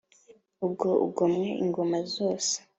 ubwo ungomwe ingoma zose